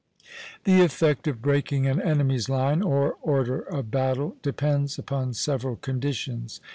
The effect of breaking an enemy's line, or order of battle, depends upon several conditions.